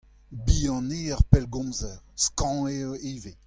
Bihan eo ar pellgomzer, skañv eo ivez.